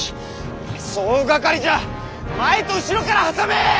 総がかりじゃ前と後ろから挟め！